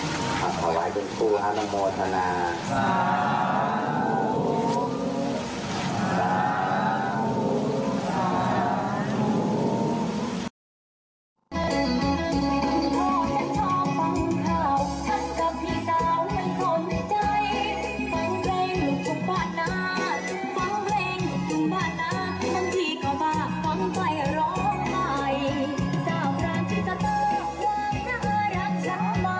ถวายกับภูฮะมะโบธนาสาธุสาธุสาธุ